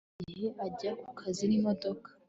Chris hafi buri gihe ajya kukazi nimodoka